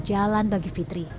jalan bagi fitri